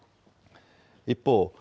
一方、